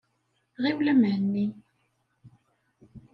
Ɣiwel a Mhenni.